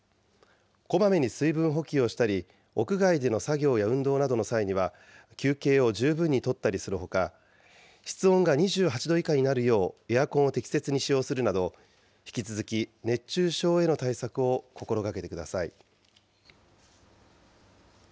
こまめに水分補給をしたり、屋外での作業や運動などの際には休憩を十分にとったりするほか、室温が２８度以下になるよう、エアコンを適切に使用するなど、引き続き熱中症への対策を心がけてください。